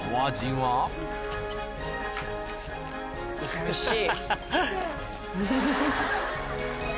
おいしい？